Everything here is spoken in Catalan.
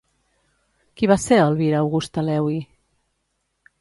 Qui va ser Elvira-Augusta Lewi?